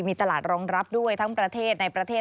มีตลาดรองรับด้วยทั้งประเทศในประเทศ